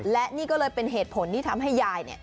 และนี่ก็เลยเป็นเหตุผลที่ทำให้ยาย